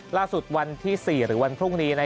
ล่าสุดวันที่๔หรือวันพรุ่งนี้